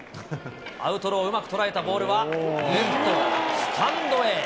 アウトローをうまく捉えたボールは、スタンドへ。